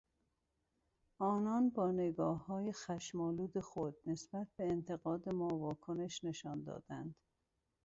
آنان با نگاههای خشمآلود خود نسبت به انتقاد ما واکنش نشان دادند.